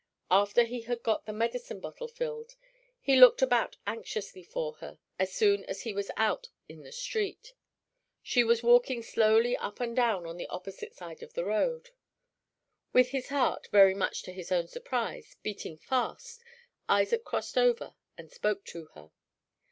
After he had got the medicine bottle filled, he looked about anxiously for her as soon as he was out in the street. She was walking slowly up and down on the opposite side of the road. With his heart, very much to his own surprise, beating fast, Isaac crossed over and spoke to her.